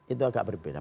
itu agak berbeda